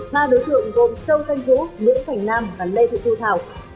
ba đối tượng gồm châu thanh vũ nguyễn thành nam và lê thị thu thảo